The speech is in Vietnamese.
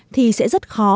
thì sẽ rất khó